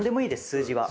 数字は。